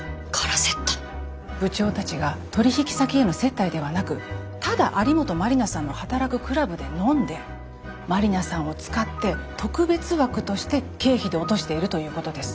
部長たちが取引先への接待ではなくただ有本マリナさんの働くクラブで飲んでマリナさんを使って特別枠として経費で落としているということです。